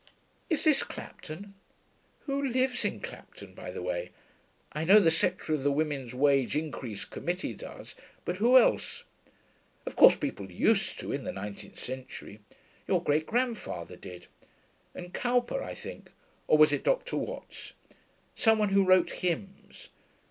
Is this Clapton? Who lives in Clapton, by the way? I know the secretary of the Women's Wage Increase Committee does but who else? Of course people used to, in the nineteenth century. Your great grandfather did. And Cowper, I think or was it Dr. Watts? Some one who wrote hymns.